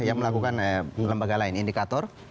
yang melakukan lembaga lain indikator